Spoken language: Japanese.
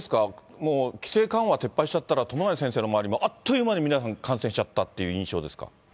もう規制緩和撤廃しちゃったら友成先生の周りもあっという間に、皆さん、感染しちゃったという印象ですか？